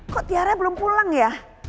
kok tiara belum pulang ya